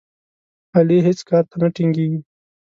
علي هېڅ کار ته نه ټینګېږي.